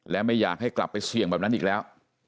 และไม่อยากให้กลับไปเสี่ยงแบบนั้นอีกแล้ว